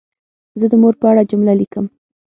زه د مور په اړه جمله لیکم.